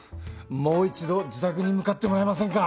もう１度自宅に向かってもらえませんか？